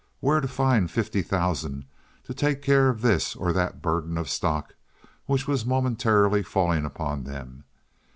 Where to find fifty thousand to take care of this or that burden of stock which was momentarily falling upon them?